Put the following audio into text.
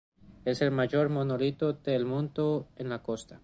Es el mayor monolito del mundo, en una costa.